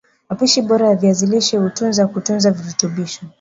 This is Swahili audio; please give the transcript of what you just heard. Mapishi Bora ya Viazi lishe hutunza kutunza virutubisho